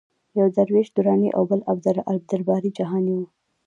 یو د درویش دراني او بل د عبدالباري جهاني و.